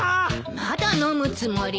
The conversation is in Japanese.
まだ飲むつもり？